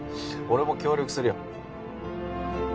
俺も協力するよ